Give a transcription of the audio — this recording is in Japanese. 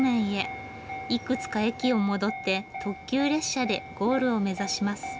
いくつか駅を戻って特急列車でゴールを目指します。